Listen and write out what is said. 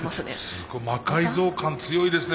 すごっ魔改造感強いですね